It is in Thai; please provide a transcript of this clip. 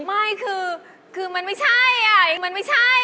ไม่คือมันไม่ใช่อ่ะมันไม่ใช่